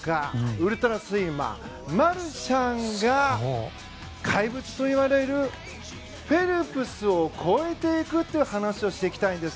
ウルトラスイマーマルシャンが怪物といわれるフェルプスを超えていくという話をしていきます。